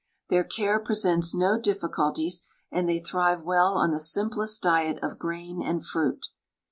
Their care presents no difficulties, and they thrive well on the simplest diet of grain and fruit.